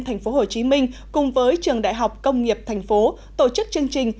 tp hcm cùng với trường đại học công nghiệp tp tổ chức chương trình